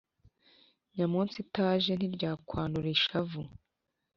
nyamunsi itaje ntiryakwanura ishavu.